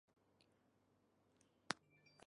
范蠡弯贝介为弯贝介科弯贝介属下的一个种。